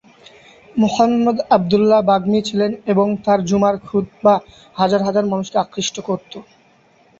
মুহাম্মদ আবদুল্লাহ বাগ্মী ছিলেন এবং তার জুমার খুতবা হাজার হাজার মানুষকে আকৃষ্ট করতো।